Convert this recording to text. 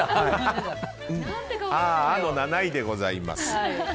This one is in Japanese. ７位でございます。